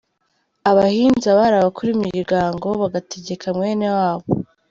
Abahinza bari abakuru b’imiryango bagategeka bene wabo.